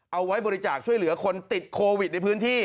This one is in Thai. เอาไว้บริจาคช่วยเหลือคนติดโควิดในพื้นที่